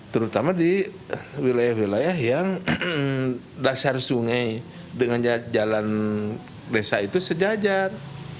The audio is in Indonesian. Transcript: terutama di wilayah wilayah yang dasar sungai dengan jalan desa itu sejajar